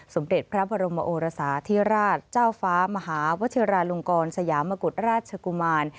สมเด็จพระบรมโอรสาธิราชเจ้าฟ้ามหาวชิราลงกรสยามกุฎราชกุมาร